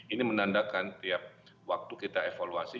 ini menandakan tiap waktu kita evaluasi